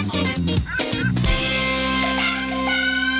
นั่นแหละ